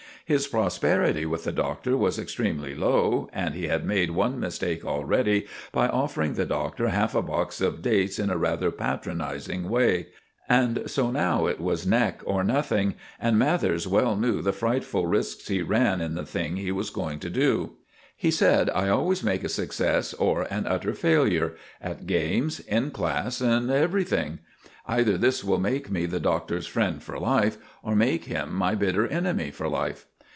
His prosperity with the Doctor was extremely low, and he had made one mistake already by offering the Doctor half a box of dates in a rather patronizing way; and so now it was neck or nothing, and Mathers well knew the frightful risks he ran in the thing he was going to do. He said, "I always make a success or an utter failure—at games, in class and everything. Either this will make me the Doctor's friend for life, or make him my bitter enemy for life."